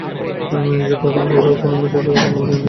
আমি নিজে কখনো এভাবে কোনো মেয়েকে লাঙল নিয়ে জমি চাষ করতে দেখিনি।